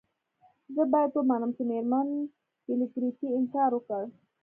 زه باید ومنم چې میرمن کلیګرتي انکار وکړ